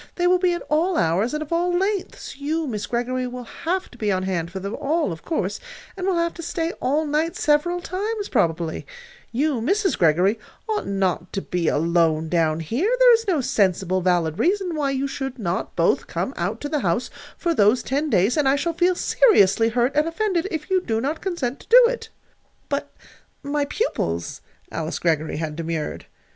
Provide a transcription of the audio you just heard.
They will be at all hours, and of all lengths. You, Miss Greggory, will have to be on hand for them all, of course, and will have to stay all night several times, probably. You, Mrs. Greggory, ought not to be alone down here. There is no sensible, valid reason why you should not both come out to the house for those ten days; and I shall feel seriously hurt and offended if you do not consent to do it." "But my pupils," Alice Greggory had demurred.